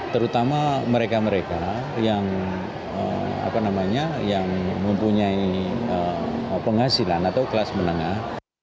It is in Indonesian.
terutama mereka mereka yang mempunyai penghasilan atau kelas menengah